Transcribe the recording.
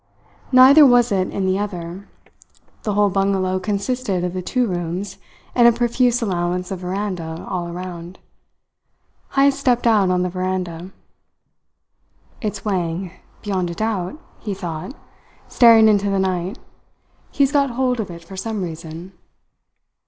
Neither was it in the other. The whole bungalow consisted of the two rooms and a profuse allowance of veranda all round. Heyst stepped out on the veranda. "It's Wang, beyond a doubt," he thought, staring into the night. "He has got hold of it for some reason."